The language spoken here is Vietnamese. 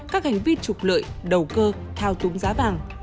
các hành vi trục lợi đầu cơ thao túng giá vàng